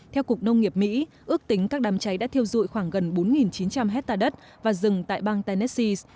theo cục nông nghiệp mỹ ước tính các đám cháy đã thiêu dụi khoảng gần bốn chín trăm linh hectare đất và rừng tại bang tennessis